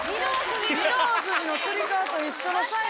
御堂筋のつり革と一緒のサイズ。